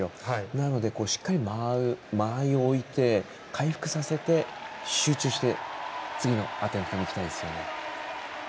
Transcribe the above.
なので、しっかり間合いを置いて回復させて集中して次のアテンプトにいきたいですよね。